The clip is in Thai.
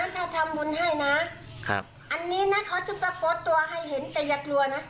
ถ้าทำบุญให้นะอันนี้นะเขาจะโพสต์ตัวให้เห็นแต่อย่ากลัวนะ